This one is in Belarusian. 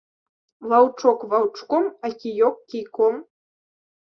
Ваўчок ваўчком, а кіёк кійком.